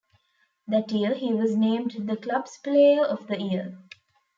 That year he was named the club's player of the year.